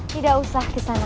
tidak usah di sana